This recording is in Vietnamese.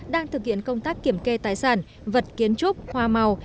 đang thực hiện công tác kiểm kê tài sản vật kiến trúc hoa màu